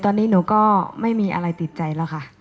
ตอนนี้หนูก็ไม่มีอะไรติดใจแล้วค่ะ